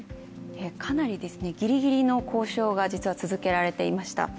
かなりギリギリの交渉が、実は続けられていました。